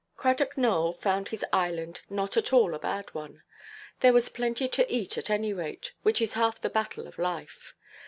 Cradock Nowell found his island not at all a bad one. There was plenty to eat at any rate, which is half the battle of life.